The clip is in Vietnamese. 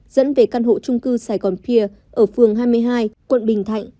dẫn về căn hộ trung cư sài gòn pia ở phường hai mươi hai quận bình thạnh